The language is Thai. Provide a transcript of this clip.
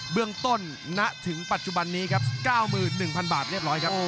เรื่องต้นณถึงปัจจุบันนี้ครับ๙๑๐๐บาทเรียบร้อยครับ